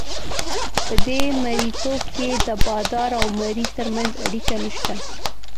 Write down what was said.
په دې مرییتوب کې د بادار او مریي ترمنځ اړیکه نشته.